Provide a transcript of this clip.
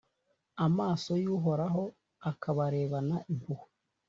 amaso y’Uhoraho akabarebana impuhwe,